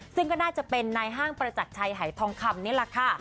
ซึ่งก็น่าจะเป็นนายห้างประจักรชัยหายทองคำนี่แหละค่ะ